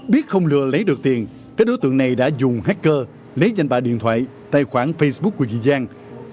biết không lừa lấy được tiền các đối tượng này đã dùng hacker lấy danh bà điện thoại tài khoản facebook của chị giang